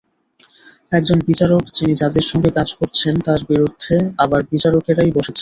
একজন বিচারক, যিনি যাঁদের সঙ্গে কাজ করছেন, তাঁর বিরুদ্ধে আবার বিচারকেরাই বসেছেন।